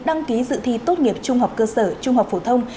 đăng ký dự thi tốt nghiệp trung học cơ sở trung học phổ thông